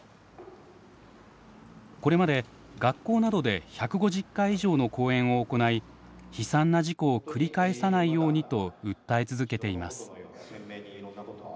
これまで学校などで１５０回以上の講演を行い悲惨な事故を繰り返さないようにと訴え続けています。